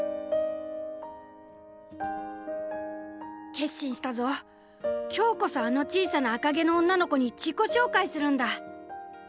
「決心したぞ今日こそあの小さな赤毛の女の子に自己紹介するんだ」。